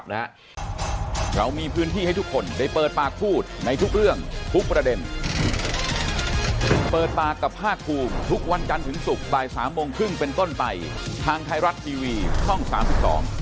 หรือว่าจะคุยกับผมสองคนก็ได้ยังไงรับโทรศัพท์นะฮะ